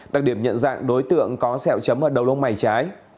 đặc điểm nhận dạng đối tượng có sẹo chấm ở đầu lông mày trái